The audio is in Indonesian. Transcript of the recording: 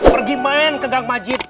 pergi main ke gang majid